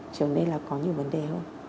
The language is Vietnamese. trở nên là có nhiều vấn đề hơn